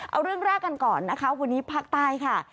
เอาเรื่องแรกกันก่อนนะคะวันนี้ภาคใต้ค่ะ